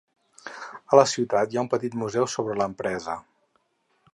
A la ciutat hi ha un petit museu sobre l'empresa.